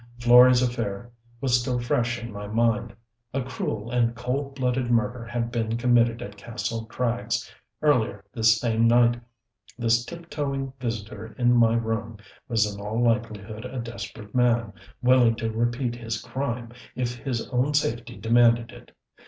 Florey's affair was still fresh in my mind. A cruel and cold blooded murder had been committed at Kastle Krags earlier this same night: this tip toeing visitor in my room was in all likelihood a desperate man, willing to repeat his crime if his own safety demanded it.